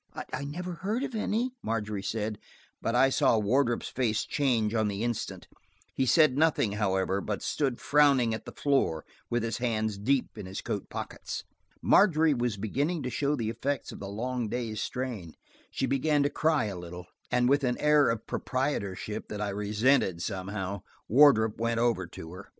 "I never heard of any," Margery said, but I saw Wardrop's face change on the instant. He said nothing, however, but stood frowning at the floor, with his hands deep in his coat pockets. Margery was beginning to show the effect of the long day's strain; she began to cry a little, and with an air of proprietorship that I resented, somehow, Wardrop went over to her.